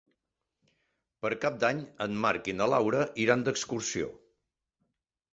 Per Cap d'Any en Marc i na Laura iran d'excursió.